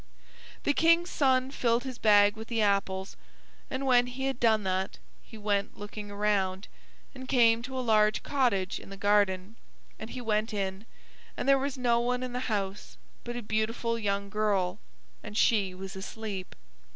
The King's son filled his bag with the apples, and when he had done that he went looking around, and he came to a large cottage in the garden, and he went in, and there was no one in the house but a beautiful young girl, and she was asleep.